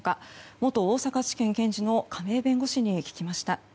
元大阪地検検事の亀井弁護士に聞きました。